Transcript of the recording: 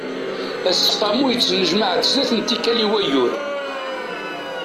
Aseqqamu yettnejmaε-d snat tikal i wayyur.